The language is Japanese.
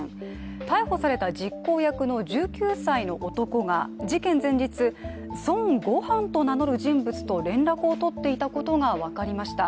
逮捕された実行役の１９歳の男が事件前日、孫悟飯と名乗る人物と連絡を取っていたことが分かりました。